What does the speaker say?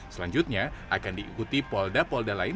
selanjutnya akan diikuti polda polda lain